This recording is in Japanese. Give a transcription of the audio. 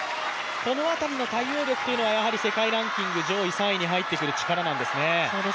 この辺りの対応力というのはやはり世界ランキング上位、３位に入ってくる力なんですね。